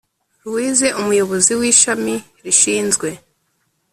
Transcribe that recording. Louise Umuyobozi w Ishami rishinzwe